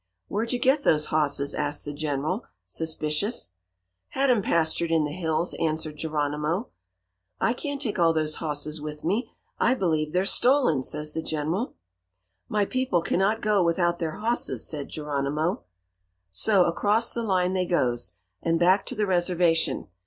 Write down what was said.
"'Where'd you get those hosses?' asks the General, suspicious. "'Had 'em pastured in the hills,' answers Geronimo. "'I can't take all those hosses with me; I believe they're stolen!' says the General. "'My people cannot go without their hosses,' says Geronimo. "So, across the line they goes, and back to the reservation.